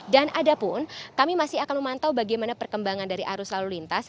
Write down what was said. dan ada pun kami masih akan memantau bagaimana perkembangan dari arus lalu lintas